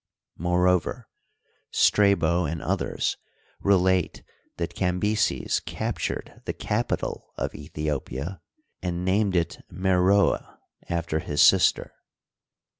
Moreover, Strabo and others relate that Cambyses captured the capital of Aethiopia, and named it Meroi, after his sister.